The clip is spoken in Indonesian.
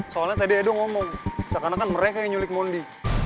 soalnya tadi edo ngomong seakan akan mereka yang nyulik mondi